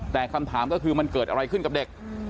แต่คำถามก็คือมันเกิดอะไรขึ้นกับเด็ก